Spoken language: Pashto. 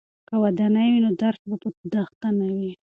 که ودانۍ وي نو درس په دښته نه وي.